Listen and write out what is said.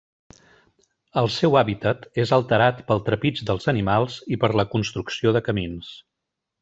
El seu hàbitat és alterat pel trepig dels animals i per la construcció de camins.